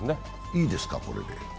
いいんですか、これで。